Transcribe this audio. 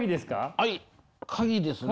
はい鍵ですね。